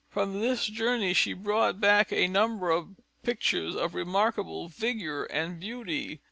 From this journey she brought back a number of pictures of remarkable vigour and beauty.